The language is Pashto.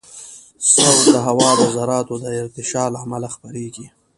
صوت د هوا د ذراتو د ارتعاش له امله خپرېږي.